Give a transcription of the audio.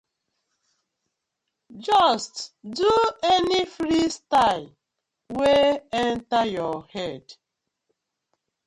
Just do any freestyle wey enter yur head.